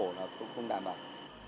là cũng không đảm bảo